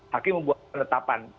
hakim membuat penetapan